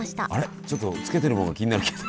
ちょっとつけてるものが気になるけど。